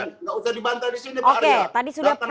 gak usah dibantai di sini pak arya